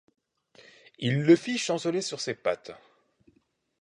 Il le fit chanceler sur ses pattes.